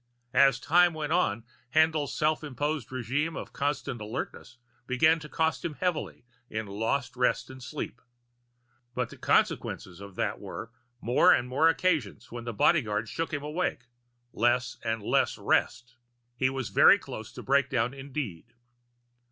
As time went on, Haendl's self imposed regime of constant alertness began to cost him heavily in lost rest and sleep. And the consequences of that were more and more occasions when the bodyguards shook him awake; less and less rest. He was very close to breakdown indeed.